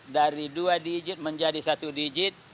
dari dua digit menjadi satu digit